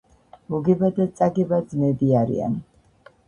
მოგება და წაგება ძმები არიან